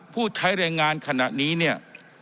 ผู้ใช้แรงงานขณะนี้เนี่ย